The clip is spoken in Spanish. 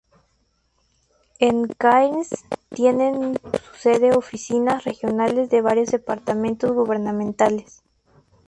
En Cairns tienen su sede oficinas regionales de varios departamentos gubernamentales.